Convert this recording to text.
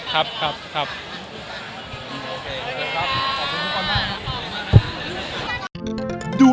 ครับครับครับครับ